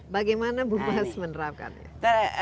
bagaimana bu maas menerapkan